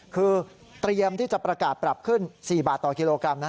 คือเตรียมที่จะประกาศปรับขึ้น๔บาทต่อกิโลกรัม